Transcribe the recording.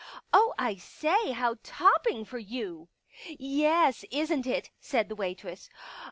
" Oh, I say — how topping for you." " Yes, isn't it," said the waitress.